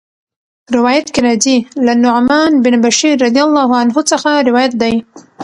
روايت کي راځي: له نعمان بن بشير رضي الله عنه څخه روايت دی